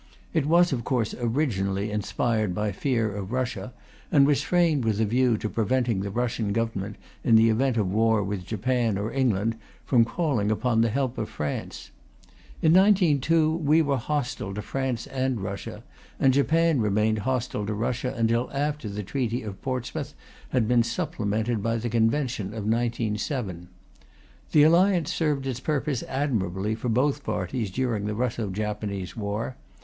It was, of course, originally inspired by fear of Russia, and was framed with a view to preventing the Russian Government, in the event of war with Japan or England, from calling upon the help of France. In 1902 we were hostile to France and Russia, and Japan remained hostile to Russia until after the Treaty of Portsmouth had been supplemented by the Convention of 1907. The Alliance served its purpose admirably for both parties during the Russo Japanese war.